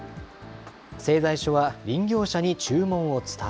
製材所は林業者に注文を伝え。